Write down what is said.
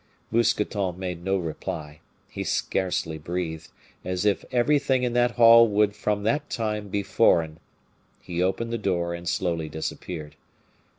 Mousqueton made no reply. He scarcely breathed, as if everything in that hall would from that time be foreign. He opened the door, and slowly disappeared.